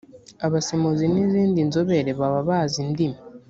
abasemuzi n ‘izindi nzobere bababazi indimi.